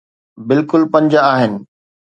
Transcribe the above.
بلڪل پنج آهن